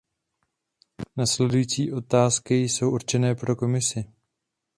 Následující otázky jsou určené pro Komisi.